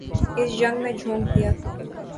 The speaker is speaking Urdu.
اس جنگ میں جھونک دیا۔